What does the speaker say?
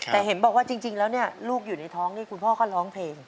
แต่เห็นบอกว่าจริงแล้วเนี่ยลูกอยู่ในท้องนี่คุณพ่อก็ร้องเพลง